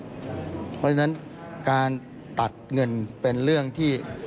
เพราะฉะนั้นการตัดเงินเป็นเรื่องที่